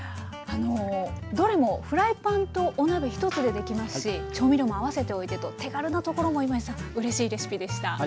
あのどれもフライパンとお鍋１つでできますし調味料も合わせておいてと手軽なところも今井さんうれしいレシピでした。